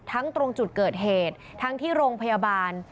ตรงจุดเกิดเหตุทั้งที่โรงพยาบาล